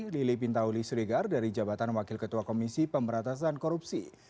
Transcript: lili pintauli siregar dari jabatan wakil ketua komisi pemberantasan korupsi